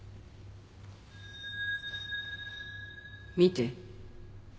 見て。